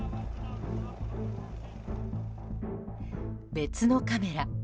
別のカメラ。